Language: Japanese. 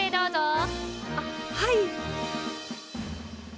あっはい。